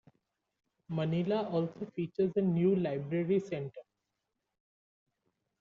Manilla also features a new library centre.